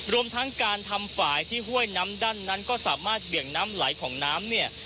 รวมทั้งการทำฝ่ายที่ห้วยน้ำดั้นนั้นก็สามารถเบี่ยงน้ำไหลของน้ำเนี่ย